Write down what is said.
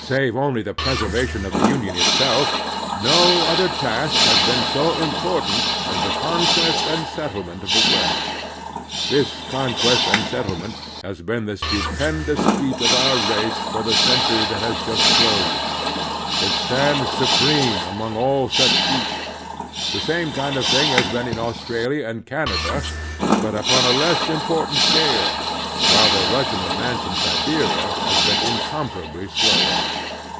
Save only the preservation of the Union itself, no other task has been so important as the conquest and settlement of the West. This conquest and settlement has been the stupendous feat of our race for the century that has just closed. It stands supreme among all such feats. The same kind of thing has been in Australia and Canada, but upon a less important scale, while the Russian advance in Siberia has been incom parably slower.